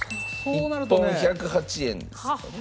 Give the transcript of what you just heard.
１本１０８円ですかね。